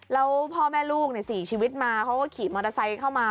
แล้วพ่อแม่ลูก๔ชีวิตมาเขาก็ขี่มอเตอร์ไซค์เข้ามา